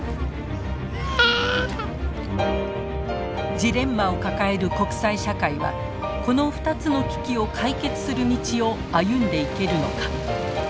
ジレンマを抱える国際社会はこの２つの危機を解決する道を歩んでいけるのか。